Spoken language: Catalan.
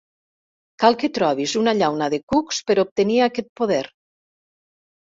Cal que trobis una llauna de cucs per obtenir aquest poder.